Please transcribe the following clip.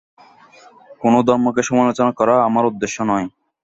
কোন ধর্মকে সমালোচনা করা আমার উদ্দেশ্য নয়।